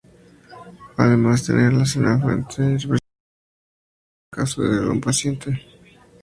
Además, tenerlas en el Fuerte representaría un gran riesgo en caso de algún percance.